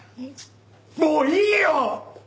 もういいよ！